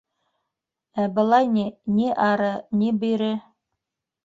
Ә былай ни — ни ары, ни бире.